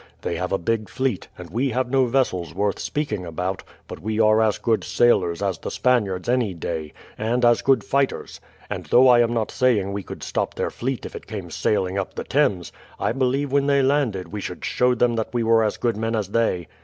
They have a big fleet, and we have no vessels worth speaking about, but we are as good sailors as the Spaniards any day, and as good fighters; and though I am not saying we could stop their fleet if it came sailing up the Thames, I believe when they landed we should show them that we were as good men as they.